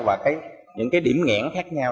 và những điểm nghẽn khác nhau